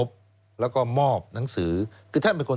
สวัสดีครับคุณผู้ชมค่ะต้อนรับเข้าที่วิทยาลัยศาสตร์